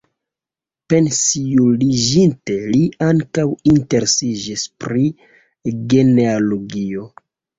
Pensiuliĝinte li ankaŭ interesiĝis pri genealogio.